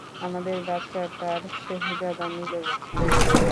আমাদের বাচ্চার তার শেহজাদা মিলে গিছে।